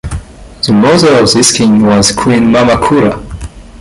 The mother of this king was queen Mama Cura.